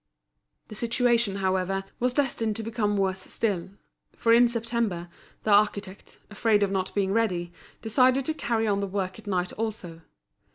The situation, however, was destined to become worse still, for in September, the architect, afraid of not being ready, decided to carry on the work at night also.